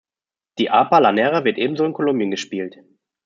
Die "Arpa llanera" wird ebenso in Kolumbien gespielt.